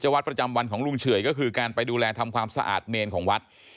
วัดประจำวันของลุงเฉื่อยก็คือการไปดูแลทำความสะอาดเมนของวัด